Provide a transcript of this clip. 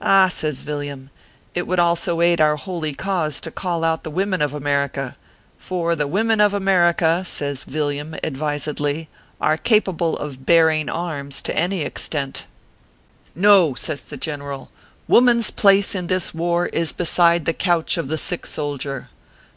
"Ah !" says Villiam, " it would also aid our holy cause to call out the women of America. For the women of America," says Villiam, advisedly, " are capable of baring arms to any extent." 15 338 OKPHEUS C. KERB PAPERS. "No !" says the general. " Woman s place in this war is beside the couch of the sick soldier.